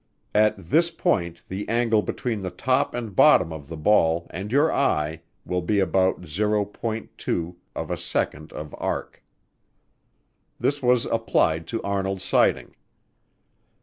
At this point the angle between the top and bottom of the ball and your eye will be about 0.2 of a second of arc. This was applied to Arnold's sighting.